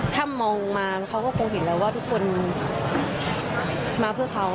ถ้ามองมาเขาก็คงเห็นแล้วว่าทุกคนมาเพื่อเขา